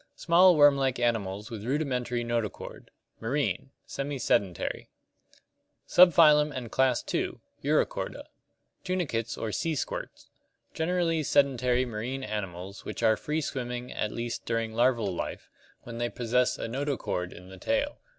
Small worm like animals with rudimentary notochord. Marine. Semi sedentary. Subphylum and Class II. Urochorda (Gr. ovpa, tail, and x°pHt cord). Tunica tes or sea squirts. Generally sedentary marine animals which are free swimming at least during larval life, when they possess a notochord in the tail.